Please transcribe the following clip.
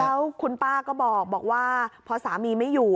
แล้วคุณป้าก็บอกว่าพอสามีไม่อยู่